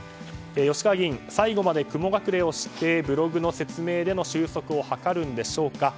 吉川議員、最後まで雲隠れをしてブログの説明での収束を図るんでしょうか。